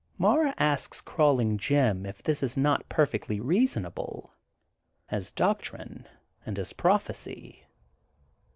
Mara asks Crawling Jim if this is not per fectly reasonable, as doctrine and as proph ecy.